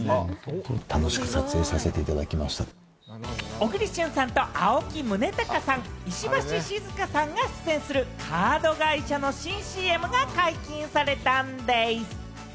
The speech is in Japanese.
小栗旬さんと青木崇高さん、石橋静河さんが出演するカード会社の新ＣＭが解禁されたんでぃす。